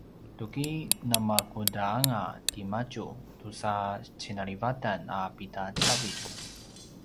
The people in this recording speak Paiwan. tuki namakudanga timadju tusa cinalivatan a pida cavilj?